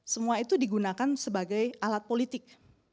semua itu digunakan sebagai alat politik